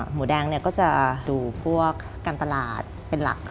หมูแดงก็จะดูพวกการตลาดเป็นหลัก